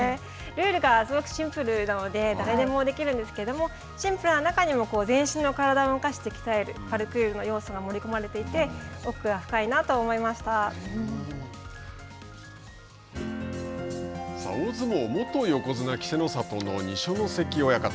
ルールがすごくシンプルなので誰でもできるんですけどもシンプルな中にも全身の体を動かして鍛えるパルクールの要素が盛り込まれていて大相撲、元横綱・稀勢の里の二所ノ関親方。